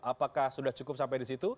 apakah sudah cukup sampai di situ